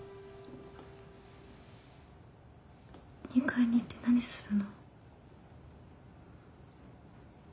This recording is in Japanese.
２階に行って何するの？